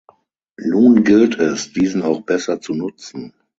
Nun gilt es, diesen auch besser zu nutzen.